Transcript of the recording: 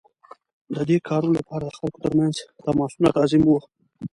د دې کارونو لپاره د خلکو ترمنځ تماسونه لازم وو.